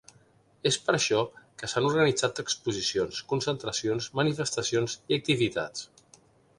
És per això que s’han organitzat exposicions, concentracions, manifestacions i activitats.